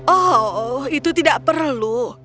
oh itu tidak perlu